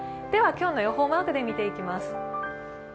では、今日の予報をマークで見ていきます。